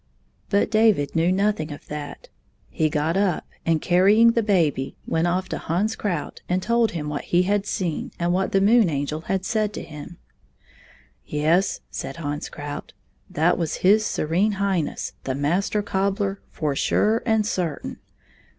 But David knew nothing of that. He got up and, carrying the baby, went off to Hans Krout and told him what he had seen and what the Moon Angel had said to him. " Yes," said Hans Krout, " that was His Serene Highness, the Master Cobbler, for sure and certain.